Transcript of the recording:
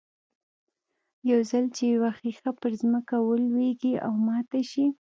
يو ځل چې يوه ښيښه پر ځمکه ولوېږي او ماته شي.